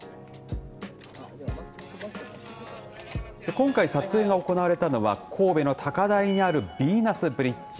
今回、撮影が行われたのは神戸の高台にあるビーナスブリッジ。